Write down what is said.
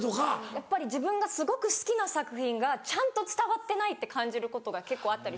やっぱり自分がすごく好きな作品がちゃんと伝わってないって感じることが結構あったり。